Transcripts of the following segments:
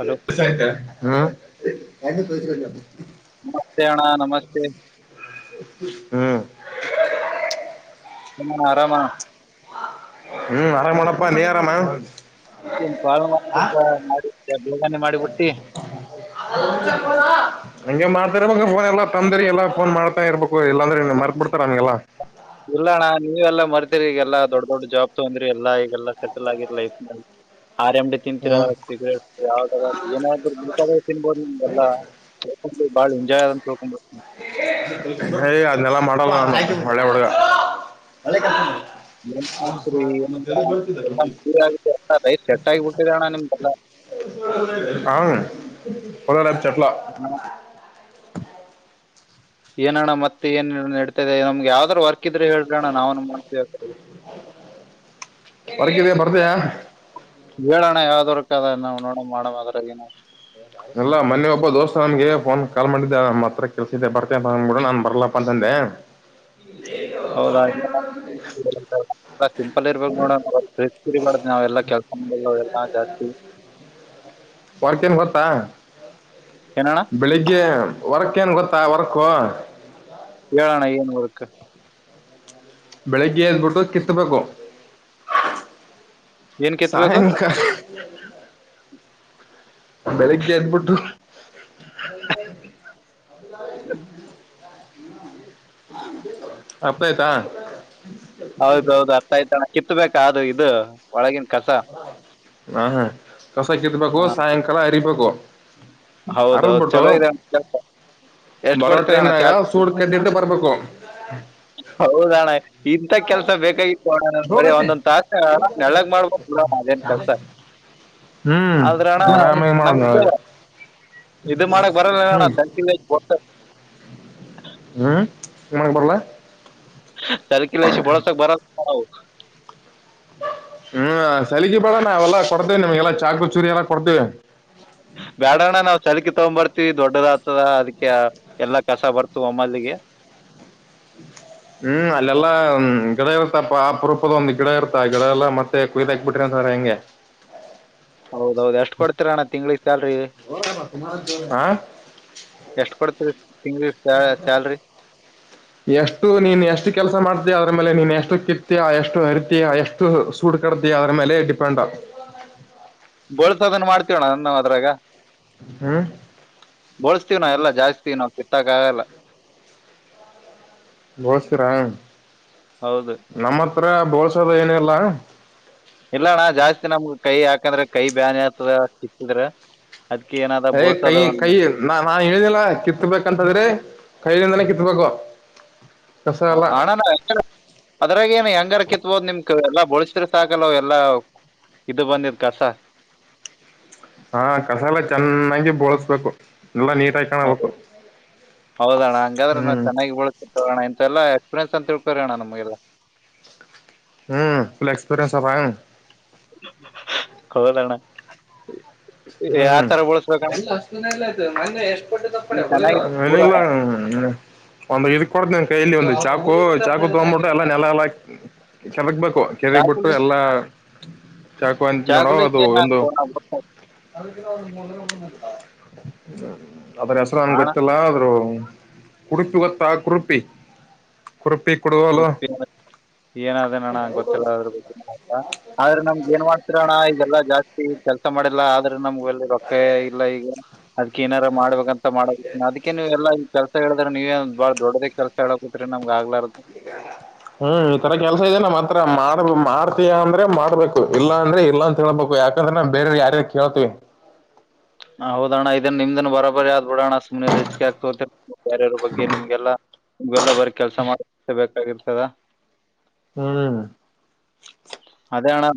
Hello ನಮಸ್ತೆ ಅಣ್ಣ ನಮಸ್ತೆ ಹ್ಮ್ [inaudible] ಹ ಆರಾಮಾ ಹ್ಮ್ ಆರಾಮ್ ಮಾಡಪ್ಪಾ ನೀ ಆರಾಮ ಸ್ವಲ್ಪ ಮಾಡಿಟ್ಟ ಬಳಗನೆೆ ಮಾಡಿಬುಟ್ಟಿ [inaudible] ಹಂಗೆ ಮಾಡ್ತ ಇಬೇಕ ಫೋನ್ ಎಲ್ಲ ತಂದ್ರರಿ ಎಲ್ಲ ಫೋನ್ ಮಾಡ್ತಾ ಇರ್ಬೇಕು ಇಲ್ಲಂದ್ರೆ ಮರ್ಬ ಬಿಡ್ತಾರ ನಮಗೆಲ್ಲ ಈಗಲ್ಲಾ ದೊಡ್ಡ ದೊಡ್ಡ ಜಾಬ್ ತೊಂದ್ರಿ ಎಲ್ಲಾ ಈಗೆಲ್ಲಾ ಸೆಟಲ್ ಆಗಿರ್ ಲೈಫ್ ನಲ್ಲಿ ಆರ್ ಎಮ್ಡಿ ತಿಂತೀರಾ ಹ್ಮ್ ಸಿಗ್ರೇಟ್ ಯಾವ್ದ ಏನಾದ್ರು ಬೇಕಾದ ತಿನ್ಬೋದು ನಿಮಗೆಲ್ಲ ಬಾಳು ಎಂಜ್ ಅಂತ ತಿಳ್ಕೊದು ಏ ಅದ್ನೆಲ್ಲಾ ಮಾಡಲ್ಲ ನ ಒಳ್ಳೆ ಹುಡುಗ ಸೆಟ್ ಆಗಿಬ ಬಿಟ್ಟಿದ ಅಣ್ಣ ನಿಮ್ದಲ್ಲ ಹಾ ಹದರಾಮ ಚಟ್ಲಾ ಏನಣ ಮತ್ತೆ ಏನ್ ನಡ್ತದೆ ನಮ್ಗೆ ಯಾವ್ದಾದ್ ವರ್ಕ್ ಇದ್ರೆ ಹೇಳ್ರ ಅಣ್ಣ ನಾವನು ಮಾಡ್ ಹೊರಗಿದೆ ಬರ್ತೀಯಾ ಹೇಳೋಣ ಯಾವ್ದವರ್ ಕ ಅದ ನಾವವು ನೋಡ ಮಾಡದ್ರ ಏನು ಎಲ್ಲಾ ಮನೆಿ ಒಬ್ಬ ದೋಸ್ತ ನಮಗೆ ಫೋನ್ ಕಾಲ್ ಮಾಡಿದ್ದೆ ಮತ್ತ ಹತ್ರ ಕೆಲ್ಸಿದೆ ಬರ್ತೆ ಅಂತ ಅಂದ್ಬಿಡ ನಾನ್ ಬರ್ಲಪ್ಪ ಅಂತಂದೆ ಹೌದಾ ಸಿಂಪಲ್ ಇರ್ಬೇಕ ನೋಡ ಸ್ ಕಡಿ ಮಾಡುದು ನಾವೆಲ್ಲಾ ಕೆಲ್ಸ ಮಾಡ ಎಲ್ಲಾ ಜಾಸ್ತಿ ವರ್ಕ ನ್ ಗೊತ್ತಾ ಏನಣ್ಣ ಬೆಳಿಗ್ಗೆ ವರ್ಕ್ ಕ್ಕೇನು ಗೊತ್ತಾ ವರ್ಕು ಏಳನ ಏನೂರುಕ ಬೆಳಗ್ಗೆ ಅಂದ್ಬಿಟ್ಟು ಕಿತ್ತಬೇಕು ಏನ್ ಕಿತ್ಬೇಕು ಸಾಯಂಕಾಲ ಬೆಳಗ್ಗೆ ನ್ಬಿಟ್ಟು ಅಪ್ಪ ಆಯ್ತಾ ಹೌದೌದು ಅರ್ಥಯ್ತಣ ಕಿತ್ಬೇಕಾದದು ಇದು ಒಳಗ ಹ ಹಾ ಕಸ ಕತ್ಬೇಕು ಸಾಯಂಕಾಲ ಅರಿಬೇಕು ಹೌದೌದು ಅರದ್ಬಿಟ್ಟು ಚಲೋ ಇದೆ ಎಷ್ಟ್ ಬರೋ ಕೊಡ್ತೀರ ಅಣ್ಣ ಟೈಮ್ನಾಗ ಚಾರ್ಜ್ ಸೂಡ್ ಕೆದ್ದಟ್ಟು ಬರ್ಬೇಕು ಹೌದಣ ಇಂಂತ ಕೆಲ್ಸ ಬೇಕಾಗಿತ್ತು ಅಣ್ಣ ನ ಬರಿ ಒಂದೊಂದ್ ತಾಸ ನಳ್ಳಗ್ ಮಾಡ್ಬ ಅದೇನ್ ಕಳ್ತ ಹ್ಮ್ ಆದ್ರಣ್ಣ ಆರಾಮಾಗಿ ಮಾಡ ನಮಗೆ ಇದು ಮಾಡಕ್ ಬರಲ್ಲಡ ಹ್ಮ್ ಸತ ಹ್ಮ್ ನಿಮ್ಮಗೆ ಬರ್ಲ ಸರ್ಕಿಲ್ಲಸ ಬಳಸಕ್ ಬರವು ಹ್ಮ್ ಸಲಗಿ ಬೇಡ ನಾವೆಲ್ಲಾ ಕೊಡ್ತೇವೆ ನಿಮ್ಗೆಲ್ಲ ಚಾಕ ಚೂರಿ ಎಲ್ಲ ಕೊಡ್ತೇವೆ ಬ್ಯಾಡೋಣ್ಣ ನಾವ್ ಚಲಕ ತಗೊ್ ಬರ್ತವಿ ತಿ ದೊಡ್ಡದಾಗ್ತದ ಅದಕ್ಕೆ ಎಲ್ಲಾ ಕಸ ಬರ್ತವ ಮಮ್ಮಲ್ಲಿಗೆ ಹ್ಮ್ ಅಲ್ಲೆಲ್ಲಾ ಗಿಡ ಇರುತ್ತಾ ಅಪರೂಪದ ಒಂದ್ ಗಿಡ ಇರುತ್ತಾ ಆ ಗಿಡ ಎಲ್ಲ ಮತ್ತೆ ಕುುದ್ದಾಕಕ್ ಬಿಟ್ರಿ ಅ ೆಯಗೆ ಹೌದೌದು ಎಷ್ಟ್ ಕೊಡ್ತಿೀರ ಅಣ್ಣ ತಿಂಗ್ಳಿಗೆ ಸ್ಯಾಲ್ರಿ ಹಾ ಎಷ್ಟು ಕೊಡ್ತರಿ ಎಷ್ಟು ನೀನ್ ಎಷ್ಟು ಕೆಲಸ ಮಾಡ್ತ ಅದ್ರ ಮೇಲೆ ನೀನ್ ಎಷ್ಟು ಕಿತ್ತ ಎಷ್ಟು ಅರಿತಿ ಎಷ್ಟು ಸೂಡ್ ಕಡತ ಅದ್ರ ಮೇಲೆ ಡಿಪೆಂಡ್ ಹ ಬಳ್ಸ ಅದನ್ ಮಾಡ್ತೀವಣ್ಣ ನಾವವು ಅದ್ರಾಗ ಹ್ಮ್ ಬೋಳಸ್ತೀವ್ ನಾವ ಎಲ್ಲಾ ಜಾಸ್ತಿೀವಿ ನಾವು ಕಿಟ್ಟ ಕಾಲ ಬೋಳ್ತೀರಾ ಹೌದು ನಮ್ಮತ್ರ ಬೋಳ್ಸೋದ ಏನಿಲ್ಲ ಇಲ್ಲಣ ಜಾಸ್ತಿ ನಮ ಕೈ ಯಾಕಂದ್ರೆ ಕೈ ಬ್ಯಾನಿ ಆತದ ಕಿತ್ತಿದ್ರಾ ಏ್ ಕಯ ಕೈ ನಾ ನಾನ್ ಹೇಳಿದಿಲ್ಲ ಕಿತ್ಬೇಕಂತದ್ರಿ ಕೈಲಿಿಂದನ ಕಿತ್ತುಬೇಕಕುವ ಹಣಾನ ಅದ್ರಾಗ ಏ ಹೆಂಗಾರ ಕಿತ್ಬೋದ್ ನಿಮ್ ಎಲ್ಲಾ ಬಳಸ ಬಸರು ಸಾಕಲ್ಲ ಎಲ್ಲಾ ಇದು ಬಂದಿದ್ ಕಸ ಹಾ ಕಸ ಎಲ್ಲ ಚೆನ್ನಾಗಿ ಬೋಳ್ಸ್ಬೇಕು ಹೌದು ಹೌದಣ್ಣ ಹಂಗಾದ್ರೆ ನಾವು ಹ್ಮ್ ಚೆನ್ನಾಗಿ ಬಳೋಣ ಇಂತೆ ಎಲ್ಲಾ ಎಕ್ಸ್ಪೀರಿಯನ್ಸ್ ಸತ್ಳ್ಕರಣ ನಮಗೆಲ್ಲ ಹ್ಮ್ ಫುಲ್ ಎಕ್ಸ್ಪೀರಿಯನ್ಸ್ ಕೊದಣ್ಣ ಹ್ಮ್ ಆತರ ಬಳಸ ಎಲ್ಲ ಅಷ್ಟಲ್ಲ ಆ್ತು ನೆ ಎಷ್ಟಪಟ್ಟು ತಪ್ಪ ನೀನ್ ಚೆನ್ನಾಗಿ ಪೂರಾ ಒಂದು ಇದ್ ಕೊಡ್ ನನ್ ಕೈಯಲ್ಲಿ ಒಂದು ಚಾಪ ಚು ಚಾಕು ತಗ್ಬಿಟ್ಟು ಎಲ್ಲಾ ನೆಲ ಎಲ್ಲ ಚದಕ್ಬೇಕು ಕೆರಿಗ್ ಬಿಿಟ್ಟು ಚಾಕುಲಿ ಎಲ್ಲಾ ಚಾಕುವ ಅಂತ ನೋಡ ಚಾಕುಲಿ ಅದು ಏನ್ ಒಂದು ಅಣ್ಣ ಅದ್ರ ಹೆಸರು ಹಂಗೆ ಗೊತ್ತಿಲ್ಲ ಆದ್ರರು ಕುಡಕ ಗತ್ತಾ ಕುರುಪಿ ಕುರುಪಿ ಕುಡುವಲು ಏನಾದ ಅಣ್ಣ ಗೊತ್ತಿಲ್ಲ ಅದ್ರ ಗಗ್ ಆ್ತಾ ಆದ್ರೆ ನಮ್ಗೆ ಏನ್ ಮಾಡ್ತಿರೋಣ್ಣ ಇದೆಲ್ಲಾ ಜಾಸ್ತಿ ಕೆಲ್ಸ ಮಾಡಿಲ್ಲ ಆದ್ರೆ ನಮ್ಗೆಲ್ಲಿ ರೊಕ್ಕ ಇಲ್ಲ ಈಗ ಅದ್ ಏನಾರ ಮಾಡ್ಬೇಕಂತ ಮಾಡ ಅದಕ್ಕೆ ನೀವು ಎಲ್ಲ ಈ ಕೆಸ ಹೇಳಿದ್ರೆ ನೀವೇ ಬಾಳ ದೊಡ್ಡದೇ ಕೆಲಸ ಹೇಳಕತ್ರಿ ನಮ್ಗ್ ಆಗ್ಲಾರದು ಹ್ಮ್ ಹ್ಮ್ ಈತರ ಕೆಲ್ಸ ಇದೆ ನಾವ್ ಹತ್ರ ಮಾಡ್ ಮಾಡ್ತಯ ಅಂದ್ರೆ ಮಾಡ್ಬೇಕು ಇಲ್ಲಾ ಅಂದ್ರೆ ಇಲ್ಲ ಅಂತ ಹೇಳ್ಬೇಕು ಯಾಕಂದ್ರ ನ ಬೇರೆ ಯಾರ್ಯಾರು ಕೇಳ್ತಿವಿ ಹೌದಣ್ಣ ಇದನ್ ನಿಮ್ದನ್ ಬರಬರಿ ಯ್ದ ನೋಡೋಣ ಸುಮ್ಮನೆ ರಿಸ್ಕಿ ಆಗ್ತ ಬೇರೆಯವ್ರ ಬಗ್ಗೆ ನಿಮ್ಗೆಲ್ಲಾ ಇಗೆಲ್ಲ ಬರ ಕೆಲ್ಸ ಮಾಡ ಬಾಗಿರ್ತದ ಹ್ಮ್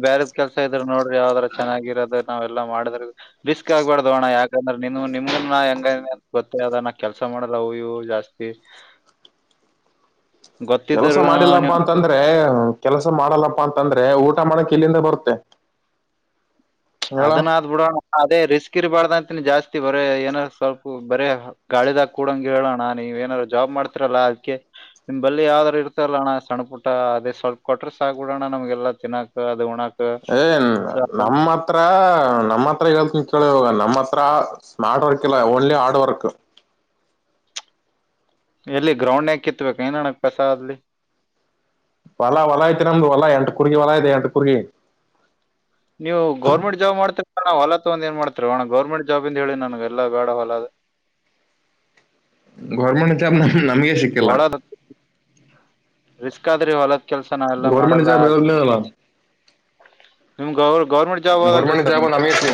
ಬೇರೆ ಕೆಲ್ಸ ಇದ್ರೆ ನೋಡ್ರಿ ಯಾವದರ ಚೆನ್ನಾಗಿರೋದು ನಾವ ಎಲ್ಲ ಮಾಡಿದ್ರ ರಿಸ್ಕ್ ಚ ಆಗ್ಬಾರ್ದೋಣ್ಣ ಯಾಕಂದ್ರೆ ನೀ ನಿಮ ಹೆಂಗ ಗೊತ್ತ ಅದ ಕೆಲಸ ಮಾಡಲ್ಲ ಅಯವು ಜಾಸ್ತಿ ಹಾ ಕೆಲಸ ಗೊತ್ತಿದ್ರು ಮಾಡಿಲ್ಲ ಹಬ್ಬಾ ನೀವು ಅಂತಂದ್ರೆ ಕೆಲಸ ಮಾಡಲ್ಲಪ್ಪಾ ಅಂತಂದ್ರೆ ಊಟ ಮಾಡಕ್ ಇಲ್ಲಿಂದ ಬರುತ್ತೆ ಹೇಳ ಅದನ್ನ ಆದ್ಬ ಬಿಡೋಣ ಅದೇ ರಿಸ್ಕ್ ಇರ್ಬಾರ್ದ ಅಂತಿನಿ ಜಾಸ್ತಿ ತಿ ಬರೇ ಏನಾದಾರ ಸ್ವಲ್ಪ ಬರೇ ಗಾಳಿದಾಗ ಕೂಡಂಗಗೆ ಹೇಳೋಣ ನೀವ ಏನಾರರು ಜಾಬ್ ಮಾಡ್ತರಲ್ಲಾ ಅದ್ಕ್ಕೆ ನಿಮ್ ಬಲ್ಲಿಿ ಯಾವ್ದ್ರರು ಇರ್ತಲ್ಲ ಅಣ್ಣ ಸಣ್ಣ ಪುಟ್ಟ ಅದೇ ಸ್ವಲ್ಪ ಕೊಟ್ರ ಸಾಕಬಿಡಣ ನಮ್ಗೆಲ್ಲ ತಿನ್ನಾಕ್ ಅದು ಉಣಾಕ್ ಏನ್ ನಮ್ಮ ಹತ್ರ ತ್ರ ನಮ್ಮ ಹತ್ರ ೇಳ್ತ ಕೇಳಾಗ ನಮ್ಮ ಹತ್ರ ಸ್ಮಾರ್ಟ್ ವರ್ಕ್ ಇಲ್ಲ ಓನ್ಲಿ ಹಾರ್ಡ್ ವರ್ಕ್ ಹಾ ಎಲ್ಲಿ ಗ್ರೌಂಡ್ ಯ ಕಿತ್ಬೇಕ ಏನಣಕ್ ಕಸ ಅಲ್ಲಿ ಹೊಲ ಹೊಲ ಐತೆ ನಮ್ದು ಹೊಲ ಎಂಟ ಕುರ್ಗಿ ಹೊಲ ಐತೆ ಎಂಟ ಕುರ್ಗಿ ನೀವು ಗೌರ್ಮೆಂಟ್ ಜಾಬ್ ಮಾಡ್ತ ನ ಹೊಲ ಒಂದು ಏನ್ ಮಾಡ್ತಾರೆ ಅವಣ ಗೌರ್ಮೆಂಟ್ ಜಾಬ್ಂತ ಹೇಳಿ ನನ್ಗೆ ಎಲ್ಲಾ ಬೇಡ ಹೊಲದ ಗೌರ್ಮೆಂಟ್ ನಮ ನಮಗೆ ಸಿಕ್ಕಿಲ್ಲ ಹೊಲದ ರಿಸ್ಕ್ ಆದ್ರಿ ಹೊಲದ ಕೆಲ್ಸ ನಾವೆಲ್ಲ ಗೌರ್ಮೆಂಟ್ ಮಾಡಲ್ಲ ಜಾಬ್ ಹೇಳಲಿಲ್ಲ ನಿಮ್ಗೆ ಅವ್ರ ಗೌರ್ಮೆಂಟ್ ಜಾಬ್ ಅದಲ್ರಿ ಗೌರ್ಮೆಂಟ್ ಸರ್ ಜಾಬ್ ನಮಗೆ ಸಿ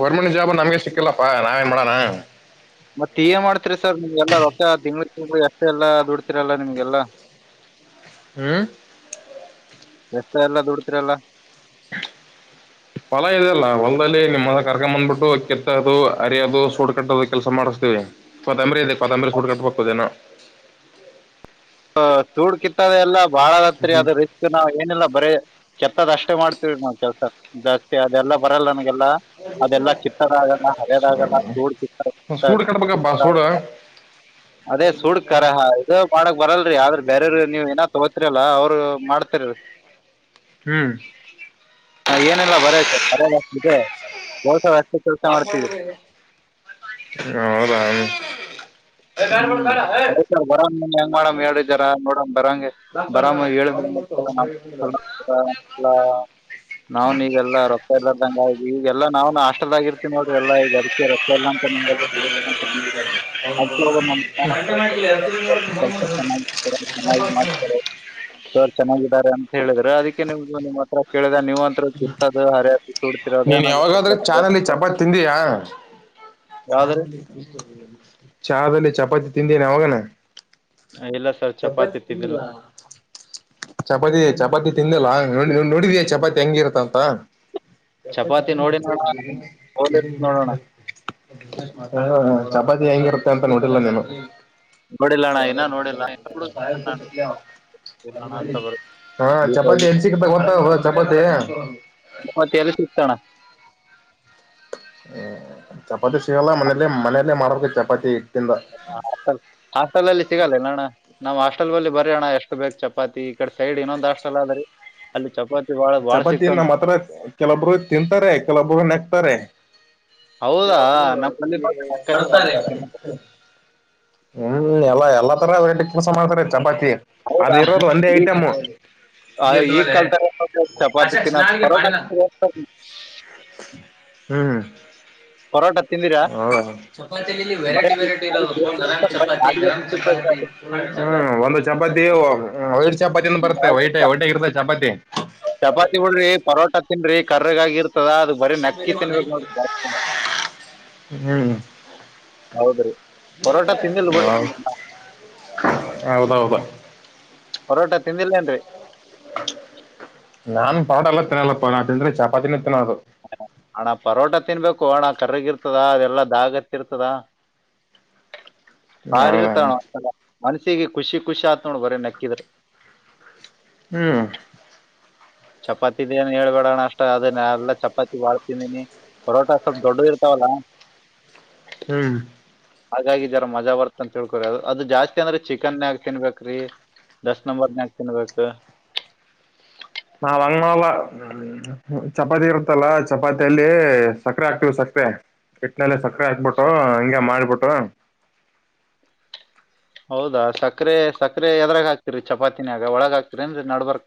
ಗೋರ್ಮೆಂಟ್ ಜಾಬ್ ನಮಗೆ ಸಿ ಇಲ್ಲಪ್ಪ ನಾವೇ ಮಾಡಡಣ ಮತ್ತ ಈ ಮಾಡ್ತಿರಿ ಸರ್ ನಿಮ್ಗೆಲ್ಲಾ ರೊ ದ ಎಷ್ಟೆ ಎಲ್ಲಾ ದುಡ್ತಿರಿ ಎಲ್ಲಾ ನಿಮ್ಗೆಲ್ಲಾ ಹ್ಮ ಎಷ್ಟ ಎಲ್ಲ ದುಡ್ತಿರಿಲ್ಲ ಫಲ ಇದೆ ಅಲ್ಲ ಹೊಲ್ದಲ್ಲಿ ನಿಮ್ಮಸ ಕರ್ ಬಂದ್ಬಿಟ್ಟು ಕೆತ್ತೋದು ಅರಿಯೋದು ಸುಡ್ ಕಟ್ಟೋದು ಕೆಲಸ ಮಾಡಿಸ್ತೀವಿ ಪತಾಂಬರಿ ಇದೆ ಪತ್ತಂಬ್ರರಿ ಸುಡ್ ಕಟ್ಟಬೇಕು ಕುದನ ಸೂಡ್ ಕಿತ್ತದೆ ಎಲ್ಲ ಬಾಳದತ್ರಿ ಅದ ಹ್ಮ್ ರಿಸ್ಕ್ ನಾವ್ ಏನಿಲ್ಲ ಬರೀ ಕೆತ್ತದ್ ಅಷ್ಟೇ ಮಾಡ್ತ ನೋ ಕೆಲ್ಸ ಜಾಸ್ತಿ ಅದೆಲ್ಲ ಬರಲ್ಲ ನನಗೆಲ್ಲ ಅದೆಲ್ಲಾ ಕಿತ್ತದಾಗಲ್ಲ ಹರದಾಗಲ್ಲ ಚೂಡ್ ಕಿತ್ತ ಸೂಡ್ ಕಟ್ಬೇಕಪ್ಪ ಸೂಡು ಕಿತ್ತದಾಗಲ್ಲ ಅದೇ ಸುಡ್ ಕರ ಇದು ಮಾಡ ಬರಲ್ರಿ ಆದ್ರ ಬೇರರು ನೀವ್ ಏನ ತಗೋತಿರಲ್ಲ ಅವ್ರು ಮಾಡ್ತರ ಹ್ಮ್ ಹಾ ಏನೆಲ್ಲ ಬರ ಬರಿ ಬಹಸ ಹೌ ರಾಮ ಹ್ಮ್ಯತ ಬರ ಹೆಂಗ ಮಾಡಮ್ ಎರಡು ಜರ ನೋಡ ಬರಂಗೆ ಬರಾಮ ಹೇಳ ನಾವ್ನ್ವೆಲ್ಲಾ ರೊತ್ತ ಇಲ್ಲದಂಗ ಈ ಎಲ್ಲಾ ನಾವ್ ನಾಷ್ಟದಾಗಿ ಇರ್ತಿವಿ ನೋಡ್ರಿ ಎ ಈಗ ಅಡಿಕೆ ರೊತ ಎಲ್ಲ ಹೌ [inaudible] ಚೆನ್ನಾಗಿದ್ದಾರೆ ಅಂತ ಹೇಳಿದಿದ್ದಾರೆ ಅದಕ್ಕೆ ನೀ ನಿಮ್ಮ್ ಹತ್ರ ಕೇಳ ನಿಮಂತ್ರ ಚುಾ ಹಾರ್ಯ ನೀನ್ ಯಾವಾಗಾದ್ರೆ ಚಾನಲ್ಲಿ ಚಪಾತಿ ತಿಂದೀಯಾ ಯಾವ್ದ್ರಿ? ಚಹಲ್ಲಿ ಚಪಾತಿ ತಿಂದೇನಿ ಅವಾಗಾನ ಆ, ಇಲ್ಲ ಸರ್ ಚಪಾತಿ ತಿಂದಿಲ್ಲ ಚಪಾತಿ ಚಪಾತಿ ತಿಂದಿಲ್ಲ ನೀ ನೋಡಿದಿಯಾ ಚಪಾತಿ ಹೆಂಗಿರುತ್ತ ಅಂತ ಎಪ ಚಪಾತಿ ನೋಡಿನಣ್ಣ ಚ ನೋಡೋಣ. ಬ ಹ ಕಬಾಜಿ ಹೆಂಗಿರುತ್ತೆ ಅಂತ ನೋಡಿಲ್ಲ ನೀನು ನೋಡಿಲ್ಲಣ್ಣ ಇನ್ನ ನೋಡಿಲ್ಲ ಇನ್ನ ಜ ನೋಡಿಲ್ಲಣ್ಣ ಅಂತ ಬರುತ್ತೆ. ಹಾ ದೀಪಾವಳಿ ಚಪಾತಿ ಎನ್ ಸಿಕ್ ಗತ್ತ ಚಪಾತಿ ಮತ್ತಲ್ಲಿ ಸಿಗ್ತಣ ಹ್ಮ ಚಪಾತಿ ಸಿಗಲ್ಲ ಮನೇಲಿ ಮನೆಯಲ್ಲೇ ಮಾಡೋ ಚಪಾತಿ ಹಿಟ್ಟಿಂದ ಹಲ್ ಹಾಸ್ಟೆಲ್ ಅಲ್ಲಿ ಸಿಗಲ್ಲೆ ನಣ ನಾವ್ ಹಾಸ್ಟೆಲ್ ಬಲ್ಲಿ ಬರರಿ ಅಣ್ಣ ಎಷ್ಟು ಬೇಕಕ್ ಚಪಾತಿ ಈ ಕಡೆ ಸೈಡ್ ಇನ್ನೊಂದ್ ಹಸ್ಲ್ದ್ರರಿ ಅಲ್ಲಿ ಚಪಾತಿ ಬಾಳ ಬಾಳ ಚಪಾತಿ ಸಿಗ್ತಾವ್ ನಮ್ಮ್ ಹತ್ರ ಕೆಲವೊಬ್ರು ತಿಂತಾರೆ ಕೆಲವೊಬ್ರು ನೆಗ್ತಾರೆ ಹೌದಾ ಕೆಲವೊಬ್ರು ನಮ್ ಬಲ್ಲಿ ತಿಲ್ಲಿ ನೋಡ್ರಿ ಅಕ್ಕ ಬಡ್ತಾರೆ ತಂಬ್ರು ತಿನ್ನೋದು. ಹ್ಮ್ ಎಲ್ಲಾ ಎಲ್ಲ ತರ ವೆರೈಟಿ ಕೆಲಸ ಮಾಡ್ತಾರೆ ಚಪಾತಿ ಅ ಇರೋದು ಒಂದೇ ಈ- ಐಟಮ ಆ, ಈಗ್ ಕಲ್ತಾರ ನೋಡ್ರಿ ಕಶ ಚಪಾತಿ ತಿನ್ನೋದ್ ನಾಳಗೆ ಪರೋಟ ಪಾಣಲ್ಲ ತಿಂದಿರಾ? ಹ್ಮ್ ಪರೋಟ ತಿಂದಿರಾ ಹ ಚಪಾತಿ ಬರೇ ವೆರೈಟಿ ವೆರೈಟಿ ನಾಲ್ಕ್ ಇರಬೇಕ ಜನ ಗರಾಮ್ ಇರ್ತಾರ್ ಬರೀ ಚಪಾತಿ ನಾಲ್ಕ್ ಜನ ಗರಾಮ್ ತಿನ್ನೋದು. ಚಾತಿ ಹ್ಮ ಒಂದು ಚಪಾತಿ ವೈಟ್ ಚಪಾತಿಂದ ಬರುತ್ತೆ ನಾವ್ ಹೊೈಟ ಹೊೈಟಗ ಇರ್ತ ಚಪಾತಿ ಚಪಾತಿ ಉಳ್ರಿ ಪರೋಟಾ ತಿನ್ ಕರ್ರಗ ಆಗರ್ತ ದ ಅದು ಬರೀ ನಕ್ಕಿ ತಿನ್ಬೇಕು ನೋ ಹ್ಮ್. ಪರೋಟ ತಿಂದಿಲ್ ಹ ಬಿಡ್ರಿ ಹದಾವ ಬನ್ ಪರೋಟ ತಿಂದಿಲ್ಲೇನ್ರಿ ನಾನ್ ಪಾಡ ಎಲ್ಲ ತಿನ್ನಲ್ಲ ಪ ಅ ತಿಂದ್ರೆ ಚಪಾತಿನ ತಿನ್ನೋದು ಹಣ್ಣ ಪರೋಟ ತಿನ್ಬೇಕು ಅಣ ಕರಗ ಇರ್ತದ ಅದೆಲ್ಲಾ ಅ ಆಗತ್ತರ್ತದಾ ಭಾರಿ ಹೌದಾ ಇರ್ತಾನ ಮನ್ಸಿಗೆ ಖುಷಿ ಖುಷಿ ಆತ್ ನೋಡ್ ಬರೇ ನಕ್ಕಿದ್ರ ಹ್ಮ್ ಚಪಾತಿ ಇದ ಏನ್ ಹೇಳ್ಬೇಡೋಣ ಅಷ್ಟ ಅದ ಎಲ್ಲ ಚಪಾತಿ ಬಾಳ್ತಿಂದೀನಿ ಪರೋಟ ಸ್ವಲ್ಪ ದೊಡ್ಡ ಇರ್ತಾವಲ್ಲಾ ಹ್ಮ್ ಹಾಗಾಗಿ ಜರ ಮಜಾ ಬರ್ತ್ತ ಅಂತ ಹೇಳ್ಕೊ್ರಿ ಅದು ಜಾಸ್ತಿ ಅಂದ್ರೆ ಚಿಕನ್ಗ ತಿನ್ಬೇಕೇ್ರಿ ದಸ್ ನಂಬರ್ನ್ಯಾಕ ತಿನ್ಬೇಕು [inaudible] ನಾವಂಗ ಮಾಡಲ್ಲ ಚಪಾತಿ ಇರುತ್ತಲ್ಲ ಚಪಾತಿಯಲ್ಲಿ ಸಕ್ಕರೆೆ ಆಾಕ್ತೀವ್ ಸಕ್ಕರೆ ಎಟ್ಿನಲ್ಲ ಸಕ್ಕರೆ ಹತ್ಬಿಟ್ಟು ಹಿಂಗ ಮಾಡ್ಬಿಟ್ಟು ಹೌದಾ ಸಕರೆ ಸಕರೆ ಎದರಾಗ ಹಕ್ತಿರಿ ಚಪಾತಿನಿಯಾಗ ಒಳಗ ಹಾಕ್ತಿರಿ ಅಂದ ನಡ್ಬರ್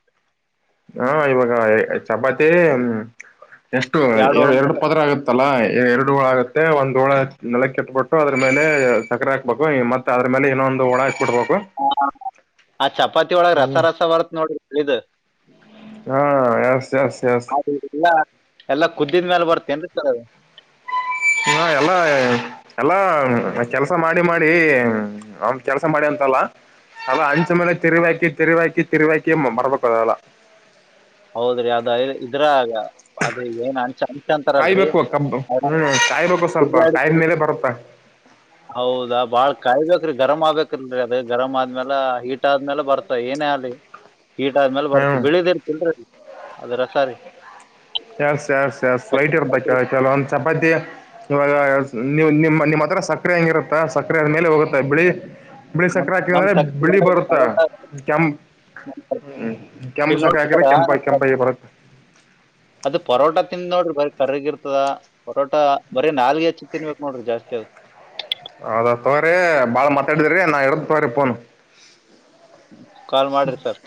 ಹಾ ಇವಾಗ ಚಪಾತಿ ಹ್ಮ ಎಷ್ಟು ಎರಡು ಪದರ ಆಗುತ್ತಲ್ಲ ಎರಡು ಳ ಆಗುತ್ತೆ ಒಂದು ಒಳ ನೆಲಕ್ಕೆ ಇಟ್ಬಿಟ್ಟು ಅದ್ರ ಮೇಲೆ ಸಕ್ಕರೆ ಹಾಕ್ಬೇಕು ಮತ್ತೆ ಅದ್ರ ಮೇಲೆ ಇನ್ನೊಂದು ಒಳ ಹಾಕ್ಬಿಡ್ಬೇಕು ಆ ಚಪಾತಿ ಒಳಗ್ ರಸ ಹ್ಮ್ ರಸ ಬರ್ತ್ ನೋಡ್ರಿಳಿದ ಹಾ ಎಸ್ ಎಸ್ ಎಸ್ ಹಾಗ ಎಲ್ಲಾ ಎಲ್ಲಾ ಕುದ್ದಿದ್ಮೇಾಲ ಬರ್ತೇನ್ೀ ರ ಹಾ ಎಲ್ಲಾ ಎಲ್ಲಾ ಕೆಲ್ಸ ಮಾಡಿ ಮಾಡಿ ಅವನ್ ಕೆಲ್ಸ ಮಾಡಿ ಅಂತ ಲ್ಲ ಅಲ್ಲ ಅಂಚ ಮೇಲೆ ತಿರಿ ಹಾಕಿ ತಿರಿ ಹಾಕಿ ತಿರಿ ಹಾಕಿ ಮರ್ಬೇಕ ಅದಲ್ಲ ಹೌದ್ರಿ ಅದ ಇದ್ರ ಅದ ಏನ್ ಅನ್ಚನ್ ಕಾಯ್ಬೇಕು ಕಬ್ ಹ್ಮ್ ಕಾಯ್ಬೇಕು ಸ್ವಲ್ಪ ಕಾಯ ತಿರ್ಗಾಡಿ- ಮೇಲೆ ಬರುತ್ತಾ ಹೌದಾ ಬಾಳ್ ಕಾಯಬೇಕ್ರಿ ಗರಮ್ ಆಬಬೇಕಕ್ಲ್ರರಿ ಅದ ಗರಮ್ ಆದ್ಮೇಾಲ ಹೀಟ್ ಆದ್ಮೇಲೆ ಬರ್ತ ಏನೇ ಆಲಿ ಕೀಟ ಆದ್ಮೇಲೆ ಬರ್ತ ಹ್ಮ್ ಬೆಳದಿ ಇರ್ತಿಲ್ರಿೀ ಅದ್ರ ಸಾರಿ ಎ ಸ ಸ ಸ್ವೈಟ್ ಇರ್ಬೇಕ ಚಲೋ ಒಂದ್ ಚಪಾತಿ ಇವಾಗ ನೀವು ನಿಮ್ಮ ನಿಮ್ಮ ಹತ್ರ ಸಕ್ಕರೆ ಹಂಗಿರುತ್ತಾ ಸಕ್ಕರೆ ಆದ ಮೇಲೆ ಹೋಗುತ್ತೆ ಬಿಳಿ ಬಿಳಿ ನಮ್- ಸಕರೆ ನಮ್ ಹಾಕಿಂದ್ರೆ ಸಕ್ರಿ ಬಿಳಿ ಒಳಗ್ ಬರುತ್ತ ಪರೋಟ ಕೆಂ ಹ್ಮ್ ಇಲ್ಲಿ ಕೆಂಪುಸಕ ನೋಡಿ ಹಾಕ್ರೆ ಸರ ಕೆಂಪ ಕೆಂಪಗ ಬರುತ್ತೆ ಅದು ಪರೋಟ ತಿಿಂದ ನೋಡ್ರಿ ಬರ ಕರಿ್ರಗ್ ಇರ್ತದ ಪರೋಟಾ ಬರೀ ನಾಲ್ಗೆ ಹೆಚ್ಚು ತಿನ್ಬೇಕಕ್ ನೋಡ್ರಿ ಜಾಸ್ತಿ ಆತ್ ಹೌದ ತಗ್ರ ಬಾಳ ಮಾತಾಡಿದ್ರೀ ನಾ ಹೇಳರದ ತೊಗ್ರಿ ಫೋನ್ ಕಾಲ್ ಮಾಡ್ರಿ ಸರ್